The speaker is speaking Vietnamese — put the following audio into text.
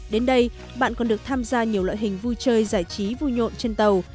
đến đây bạn còn được tham gia nhiều loại hình vui chơi giải trí vui nhộn trên tàu